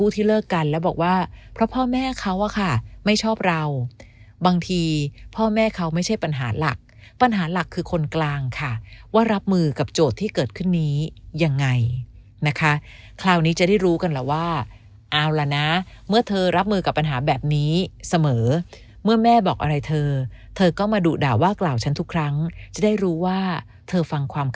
ที่เลิกกันแล้วบอกว่าเพราะพ่อแม่เขาอะค่ะไม่ชอบเราบางทีพ่อแม่เขาไม่ใช่ปัญหาหลักปัญหาหลักคือคนกลางค่ะว่ารับมือกับโจทย์ที่เกิดขึ้นนี้ยังไงนะคะคราวนี้จะได้รู้กันแหละว่าเอาละนะเมื่อเธอรับมือกับปัญหาแบบนี้เสมอเมื่อแม่บอกอะไรเธอเธอก็มาดุด่าว่ากล่าวฉันทุกครั้งจะได้รู้ว่าเธอฟังความ